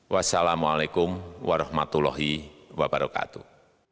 wassalamu'alaikum warahmatullahi wabarakatuh